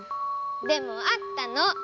でもあったの！